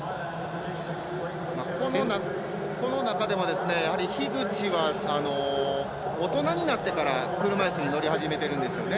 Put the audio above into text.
この中でも樋口は大人になってから車いすに乗り始めてるんですよね。